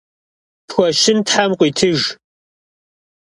Pxueşın them khıuitıjj!